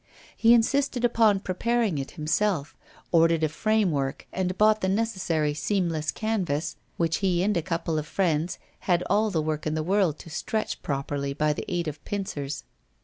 He insisted upon preparing it himself; ordered a framework and bought the necessary seamless canvas, which he and a couple of friends had all the work in the world to stretch properly by the aid of pincers.